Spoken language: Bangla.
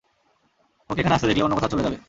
ওকে এখানে আসতে দেখলে, অন্য কোথাও চলে যাবে।